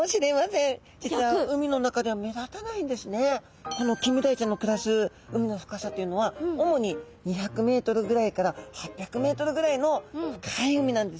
実はこのキンメダイちゃんの暮らす海の深さというのは主に２００ｍぐらいから８００ｍぐらいの深い海なんですね。